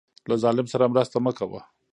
له ظالم سره مرسته مه کوه.